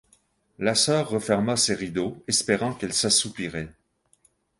La sœur referma ses rideaux, espérant qu’elle s’assoupirait.